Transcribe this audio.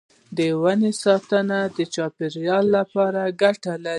د ونو ساتنه د چاپیریال لپاره ګټه لري.